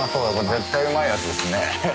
絶対うまいやつですね。